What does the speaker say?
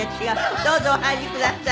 どうぞお入りください。